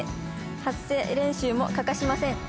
「発声練習も欠かしません」